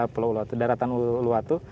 pulau uluwatu daratan uluwatu